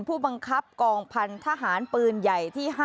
ผู้บังคับกองพันธหารปืนใหญ่ที่๕